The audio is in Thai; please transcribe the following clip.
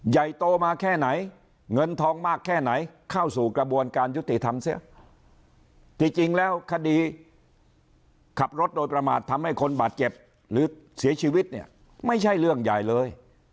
ใหญ่โตมาแค่ไหนเงินทองมากแค่ไหนเข้าสู่กระบวนการยุติธรรมเสียที่จริงแล้วคดีขับรถโดยประมาททำให้คนบาดเจ็บหรือเสียชีวิตเนี่ยไม่ใช่เรื่องใหญ่เลย